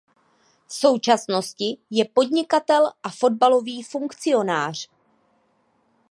V současnosti je podnikatel a fotbalový funkcionář.